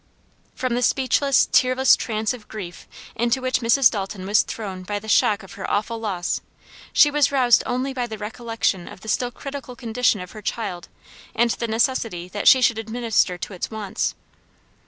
From the speechless, tearless trance of grief into which Mrs. Dalton was thrown by the shock of her awful loss, she was roused only by the recollection of the still critical condition of her child and the necessity that she should administer to its wants.